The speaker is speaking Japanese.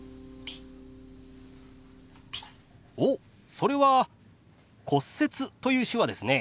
おっそれは「骨折」という手話ですね。